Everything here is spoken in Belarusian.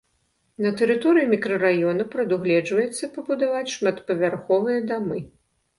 На тэрыторыі мікрараёна прадугледжваецца пабудаваць шматпавярховыя дамы.